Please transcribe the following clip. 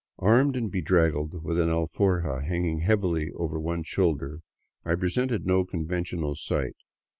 Armed and bedraggled, with an alforja hang ing heavy over one shoulder, I presented no conventional sight.